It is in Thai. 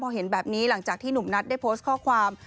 พอเห็นแบบนี้หลังจากที่หนุ่มนัทได้โพสต์ข้อความ